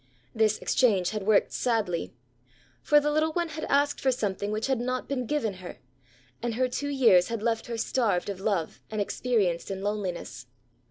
This exchange had worked sadly; for the little one had asked for something which had not been given her, and her two years had left her starved of love and experienced in loneliness.